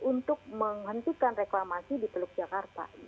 untuk menghentikan reklamasi di teluk jakarta